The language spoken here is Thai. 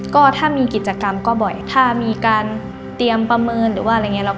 ก็ถ้ามีกิจกรรมก็บ่อยถ้ามีการเตรียมประเมินหรือว่าอะไรอย่างนี้